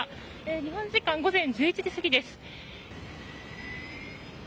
日本時間午前１１時過ぎです。